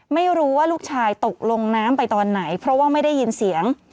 ไม่รู้ว่าลูกชายตกลงน้ำไปตอนไหนเพราะว่าไม่ได้ยินเสียง